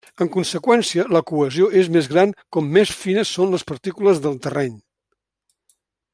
En conseqüència, la cohesió és més gran com més fines són les partícules del terreny.